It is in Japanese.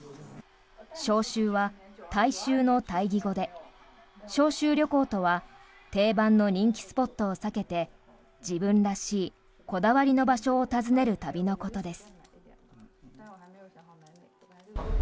小衆は大衆の対義語で小衆旅行とは定番の人気スポットを避けて自分らしい、こだわりの場所を訪ねる旅のことです。